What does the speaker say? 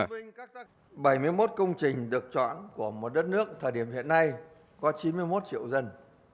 tôn vinh các tác giả bảy mươi một công trình được chọn của một đất nước thời điểm hiện nay có chín mươi một triệu dân